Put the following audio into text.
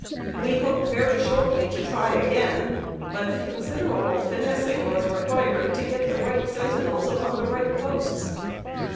We hoped very shortly to try again, but considerable finessing was required to get the right sentinels upon the right posts.